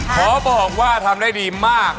ขอบอกว่าทำได้ดีมาก